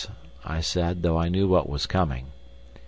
I said, though I knew what was coming.